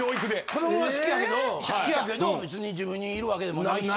子どもは好きやけど好きやけど別に自分にいるわけでもないし。